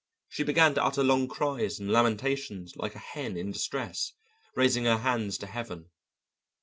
She began to utter long cries and lamentations like a hen in distress, raising her hands to heaven.